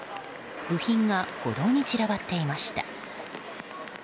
部品が歩道に散らばっていました。